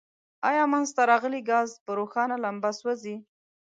آیا منځ ته راغلی ګاز په روښانه لمبه سوځیږي؟